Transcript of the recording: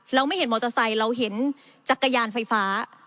เราไม่เห็นมอเตอร์ไซค์เราเห็นจักรยานไฟฟ้า